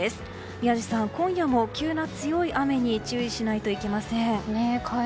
宮司さん、今夜も急な強い雨に注意しないといけません。